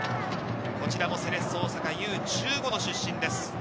セレッソ大阪Ｕ−１５の出身です。